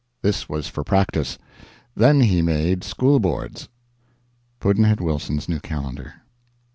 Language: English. This was for practice. Then He made School Boards. Pudd'nhead Wilson's New Calendar.